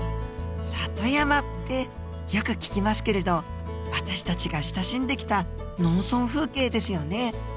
里山ってよく聞きますけれど私たちが親しんできた農村風景ですよね。